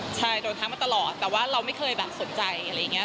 ใช่โดนทักมาตลอดแต่ว่าเราไม่เคยแบบสนใจอะไรอย่างนี้